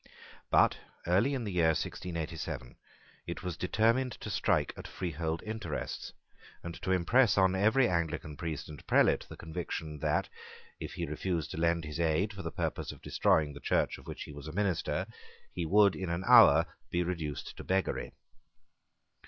But, early in the year 1687, it was determined to strike at freehold interests, and to impress on every Anglican priest and prelate the conviction that, if he refused to lend his aid for the purpose of destroying the Church of which he was a minister, he would in an hour be reduced to beggary.